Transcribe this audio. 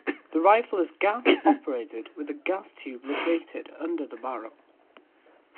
The rifle is gas operated with the gas tube located under the barrel.